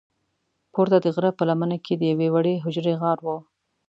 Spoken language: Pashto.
پورته د غره په لمنه کې د یوې وړې حجرې غار و.